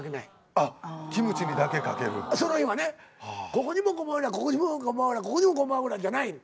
ここにもごま油ここにもごま油ここにもごま油じゃない。